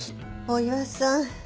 大岩さん